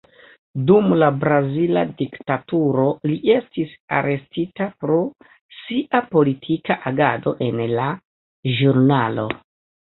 Dum la brazila diktaturo, li estis arestita pro sia politika agado en la ĵurnalo.